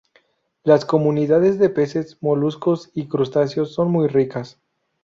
Las comunidades de peces, moluscos y crustáceos son muy ricas.